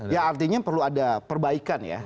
ya artinya perlu ada perbaikan ya